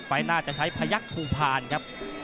น่าจะใช้พยักษ์ภูพานครับ